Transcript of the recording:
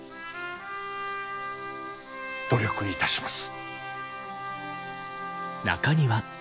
努力いたします。